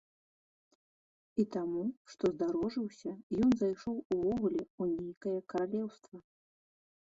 І таму, што здарожыўся, ён зайшоў увогуле ў нейкае каралеўства.